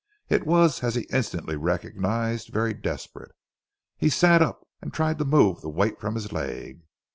It was, as he instantly recognized, very desperate. He sat up, and tried to move the weight from his leg.